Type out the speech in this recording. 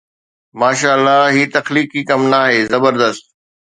ماشاءَ الله، هي تخليقي ڪم ناهي. زبردست